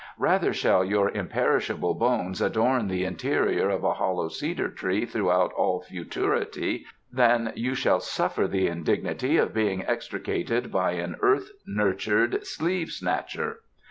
"Rather shall your imperishable bones adorn the interior of a hollow cedar tree throughout all futurity than you shall suffer the indignity of being extricated by an earth nurtured sleeve snatcher."